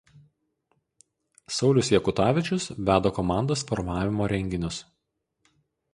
Saulius Jakutavičius veda komandos formavimo renginius.